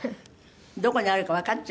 どこにあるかわかっちゃうの？